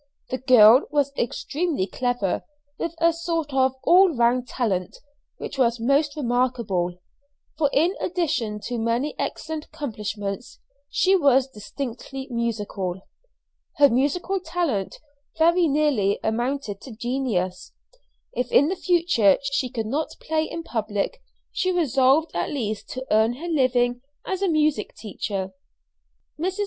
The girl was extremely clever, with a sort of all round talent which was most remarkable; for in addition to many excellent accomplishments, she was distinctly musical. Her musical talent very nearly amounted to genius. If in the future she could not play in public, she resolved at least to earn her living as a music teacher. Mrs.